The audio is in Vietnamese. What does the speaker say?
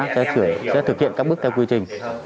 sẽ thực hiện các bước theo quy trình